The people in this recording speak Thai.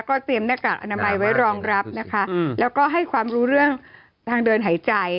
เตรียมหน้ากากอนามัยไว้รองรับนะคะแล้วก็ให้ความรู้เรื่องทางเดินหายใจ